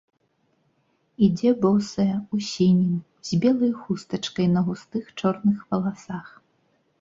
Ідзе босая, у сінім, з белаю хустачкаю на густых чорных валасах.